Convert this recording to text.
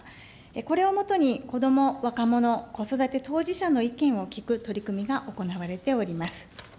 これをもとに子ども・若者子育て当事者の意見を聞く取り組みが行われています。